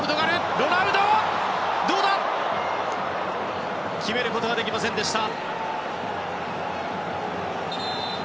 ロナウド！決めることができませんでした。